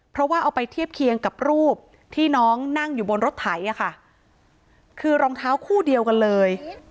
เพราะว่าเอาไปเทียบเคียงกับรูปที่น้องนั่งอยู่บนรถไถค่ะคือรองเท้าคู่เดียวกันเลย